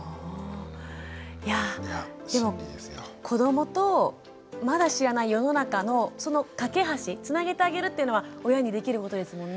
いやぁでも子どもとまだ知らない世の中のその懸け橋つなげてあげるっていうのは親にできることですもんね。